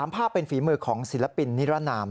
ภาพเป็นฝีมือของศิลปินนิรนาม